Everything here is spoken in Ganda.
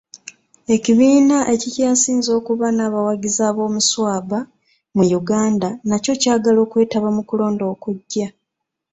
Ekibiina ekikyasinze okuba n'abawagizi aboomuswaba mu Uganda nakyo kyagala okwetaba mu kulonda okujja.